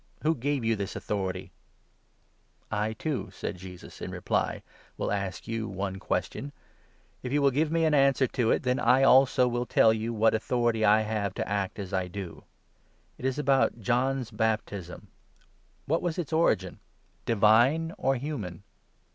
Who gave you this authority ?"" I, too," said Jesus in reply, " will ask you one question ; if 24 you will give me an answer to it, then I, also, will tell you what authority I have to act as I do. It is about John's 25 baptism. What was its origin ? divine or human